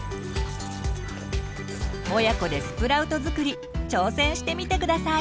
親子でスプラウトづくり挑戦してみて下さい！